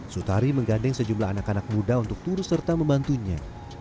sutari menggandeng sejumlah anak anak muda untuk turut serta membantunya